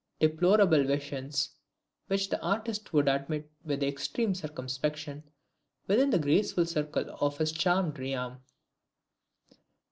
Deplorable visions, which the artist should admit with extreme circumspection within the graceful circle of his charmed realm!